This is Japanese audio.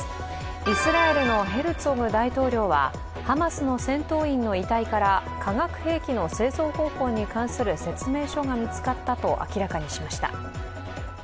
イスラエルのヘルツォグ大統領は、ハマスの戦闘員の遺体から化学兵器の製造方法に関する説明書が見つかったと明らかにしました。